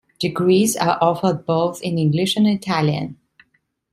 Degrees are offered both in English and Italian.